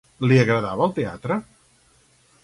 Li agradava el teatre?